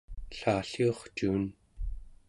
ellalliurcuun